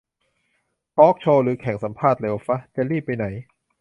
ทอล์กโชว์ หรือแข่งสัมภาษณ์เร็วฟะ ? จะรีบไปไหน